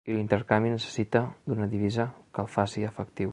I l’intercanvi necessita d’una divisa que el faci efectiu.